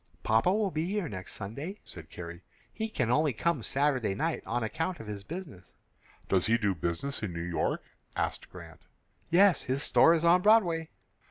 "Papa will be here next Sunday," said Carrie. "He can only come Saturday night on account of his business." "Does he do business in New York?" asked Grant. "Yes; his store is on Broadway."